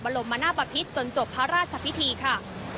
ลมมนาปภิษจนจบพระราชพิธีค่ะ